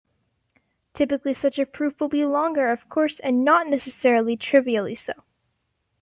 Typically such a proof will be longer, of course, and not necessarily trivially so.